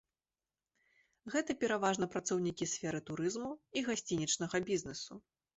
Гэта пераважна працаўнікі сферы турызму і гасцінічнага бізнэсу.